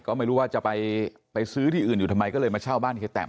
ก็ไม่รู้ว่าจะไปซื้อที่อื่นอยู่ทำไมก็เลยมาเช่าบ้านเฮียแตม